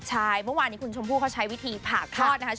ใช่เมื่อวานนี้คุณชมพู่เขาใช้วิธีผ่าคลอดนะคะ